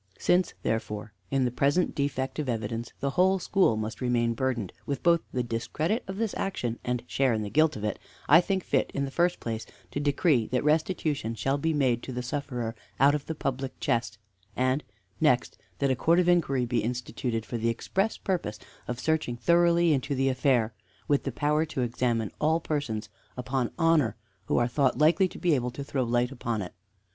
"Since, therefore, in the present defect of evidence the whole school must remain burdened with both the discredit of this action and share in the guilt of it, I think fit, in the first place, to decree that restitution shall be made to the sufferer out of the public chest, and, next, that a Court of Inquiry be instituted for the express purpose of searching thoroughly into the affair, with the power to examine all persons upon honor who are thought likely to be able to throw light upon it.